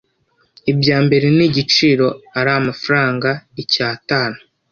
ibya mbere n igiciro ari amafranga icyatanu